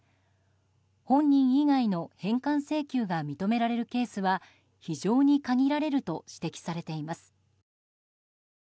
本人以外の返還請求が認められるケースは非常に限られると指摘されています。